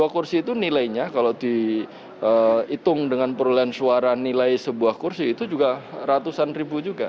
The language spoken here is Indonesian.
dua kursi itu nilainya kalau dihitung dengan perolehan suara nilai sebuah kursi itu juga ratusan ribu juga